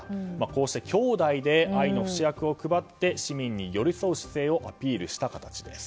こうして兄妹で愛の不死薬を配って市民に寄り添う姿勢をアピールした形です。